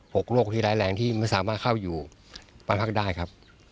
กโรคที่ร้ายแรงที่ไม่สามารถเข้าอยู่บ้านพักได้ครับ